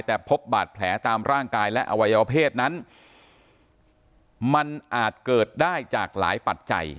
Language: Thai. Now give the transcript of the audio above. แต่พบบาดแผลตามร่างกายและอวัยวเพศนั้นมันอาจเกิดได้จากหลายปัจจัย